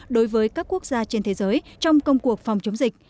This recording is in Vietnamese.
đối với các quốc gia trên thế giới trong công cuộc phòng chống dịch